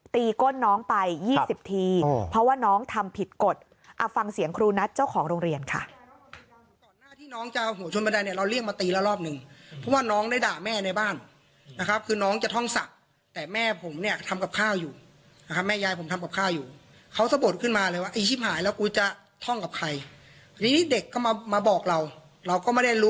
ตีก้นน้องไป๒๐ทีเพราะว่าน้องทำผิดกฎ